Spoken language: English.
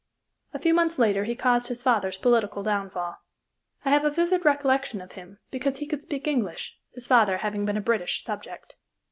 A few months later he caused his father's political downfall. I have a vivid recollection of him because he could speak English, his father having been a British subject.